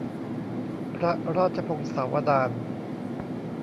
พระราชพงศาวดาร